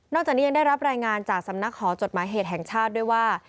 จากนี้ยังได้รับรายงานจากสำนักหอจดหมายเหตุแห่งชาติด้วยว่า